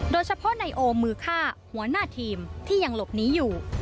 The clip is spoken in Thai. โดยเฉพาะนายโอมือฆ่าหัวหน้าทีมที่ยังหลบหนีอยู่